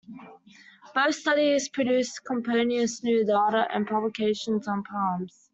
Both studies produced copious new data and publications on palms.